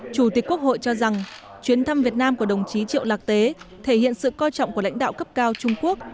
chủ tịch quốc hội cho rằng chuyến thăm việt nam của đồng chí triệu lạc tế thể hiện sự coi trọng của lãnh đạo cấp cao trung quốc